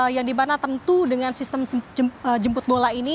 yang dimana tentu dengan sistem jemput bola ini